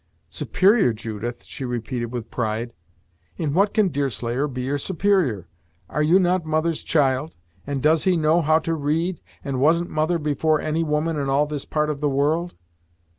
"Superior, Judith!" she repeated with pride. "In what can Deerslayer be your superior? Are you not mother's child and does he know how to read and wasn't mother before any woman in all this part of the world?